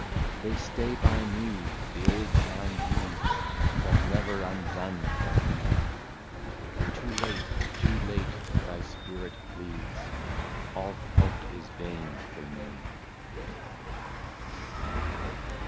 " They stay by me, the old time deeds, That never undone can be ; Too late, too late, thy spirit pleads,— All help is vain for me."